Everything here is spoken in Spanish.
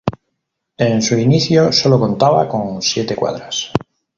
En su inicio sólo contaba con siete cuadras.